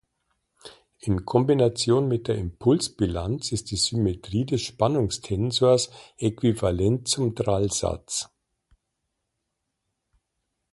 In Kombination mit der Impulsbilanz ist die Symmetrie des Spannungstensors äquivalent zum Drallsatz.